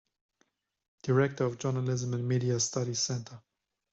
Director of the Journalism and Media Studies Centre.